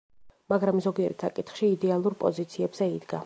მაგრამ ზოგიერთ საკითხში იდეალურ პოზიციებზე იდგა.